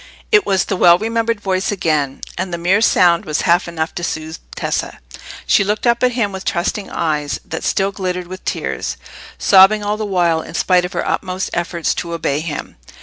It was the well remembered voice again, and the mere sound was half enough to soothe Tessa. She looked up at him with trusting eyes, that still glittered with tears, sobbing all the while, in spite of her utmost efforts to obey him.